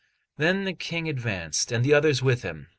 Then the King advanced, and the others with him.